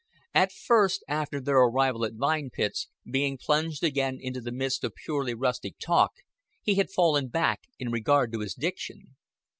At first after their arrival at Vine Pits, being plunged again into the midst of purely rustic talk, he had fallen back in regard to his diction.